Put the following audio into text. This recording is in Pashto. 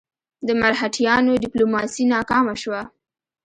د مرهټیانو ډیپلوماسي ناکامه شوه.